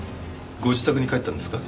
ご自宅に帰ったんですか？